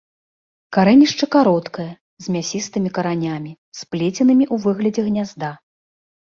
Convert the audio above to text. Карэнішча кароткае, з мясістымі каранямі, сплеценымі ў выглядзе гнязда.